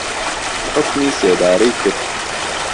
حوکمی سێدارەیکرد